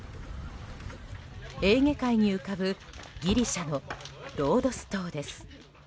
エーゲ海に浮かぶギリシャのロードス島です。